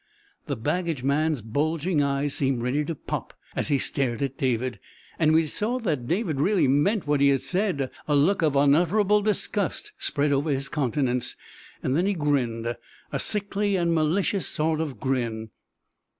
The baggage man's bulging eyes seemed ready to pop as he stared at David, and when he saw that David really meant what he had said a look of unutterable disgust spread over his countenance. Then he grinned a sickly and malicious sort of grin.